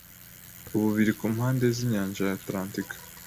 ubu biri ku mpande zinyanja ya Atalantika